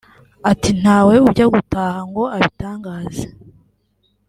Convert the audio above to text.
Ati“Ntawe ujya gutaha ngo abitangaze